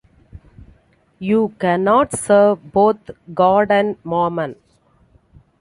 You cannot serve both God and mammon.